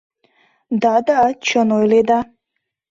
— Да, да, чын ойледа.